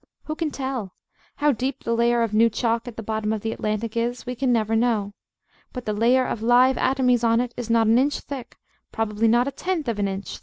Who can tell? How deep the layer of new chalk at the bottom of the Atlantic is, we can never know. But the layer of live atomies on it is not an inch thick, probably not a tenth of an inch.